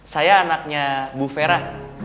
saya anaknya bu fera